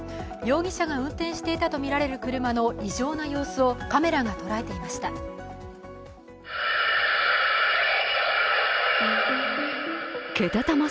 容疑者が運転していたとみられる車の異常な様子をカメラが捉えていました。